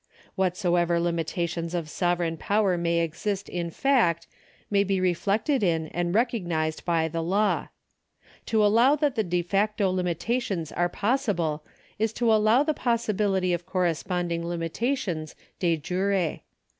Whatsoever limitations of sovereign power may exist in fact may be rcHected in and recognised by the law. To allow that dc facto limitations are possible is to allow the possibility of corresponding limitations de jure.